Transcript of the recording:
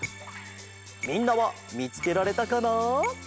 みんなはみつけられたかな？